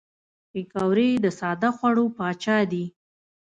پکورې د ساده خوړو پاچا دي